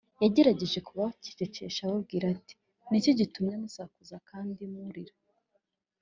yagerageje kubacecekesha ababwira ati: “ni iki gitumye musakuza kandi murira?